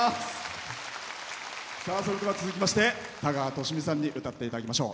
それでは、続きまして田川寿美さんに歌っていただきましょう。